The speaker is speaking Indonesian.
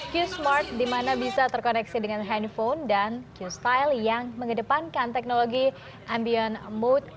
q smart di mana bisa terkoneksi dengan handphone dan q style yang mengedepankan teknologi ambien mode